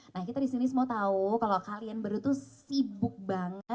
nah kita disini semua tahu kalau kalian berdua tuh sibuk banget